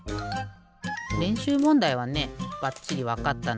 れんしゅうもんだいはねばっちりわかったのよ。